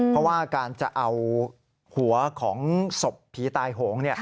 เพราะว่าการจะเอาหัวของศพผีตายโหง